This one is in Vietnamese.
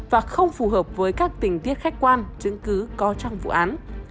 và không phù hợp với các tình tiết khách quan chứng cứ có trong vụ án